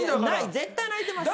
絶対泣いてます。